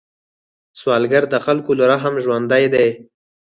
سوالګر د خلکو له رحم ژوندی دی